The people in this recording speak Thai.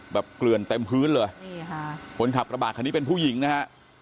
เกลือนเต็มพื้นเลยนี่ค่ะคนขับกระบาดคันนี้เป็นผู้หญิงนะฮะ